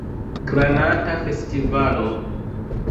Granata Festivalo